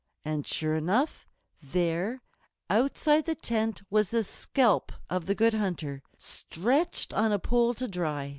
And sure enough, there, outside the tent, was the scalp of the Good Hunter, stretched on a pole to dry.